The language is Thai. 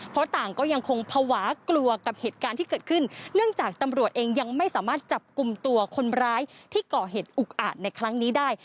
เพราะต่างก็ยังคงภาวะกลัวกับเหตุการณ์ที่เกิดขึ้นเนื่องจากตำรวจเองยังไม่สามารถจับกลุ่มตัวคนร้ายที่ก่อเหตุอุกอาจในครั้งนี้ได้